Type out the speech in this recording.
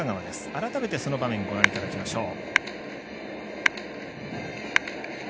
改めて、その場面ご覧いただきましょう。